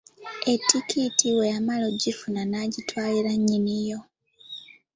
Ettikiti bwe yamala okugifuna, n'agitwalira nnyini yo.